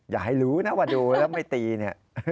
อย่าให้รู้นะว่าดูแล้วไม่ตีเนี่ย